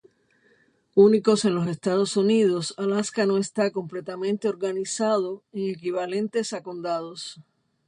Únicos en los Estados Unidos, Alaska no está completamente organizado en equivalentes a condados.